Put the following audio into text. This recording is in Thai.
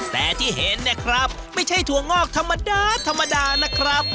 แต่ที่เห็นเนี่ยครับไม่ใช่ถั่วงอกธรรมดาธรรมดานะครับ